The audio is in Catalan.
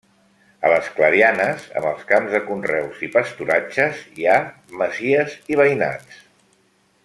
A les clarianes, amb els camps de conreus i pasturatges, hi ha masies i veïnats.